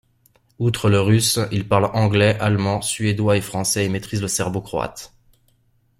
Outre le russe, il parle anglais, allemand, suédois et français et maîtrise le serbo-croate.